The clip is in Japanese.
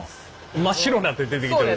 真っ白になって出てきてる。